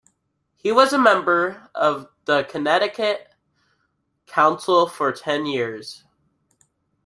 He was a member of the Connecticut Council for ten years.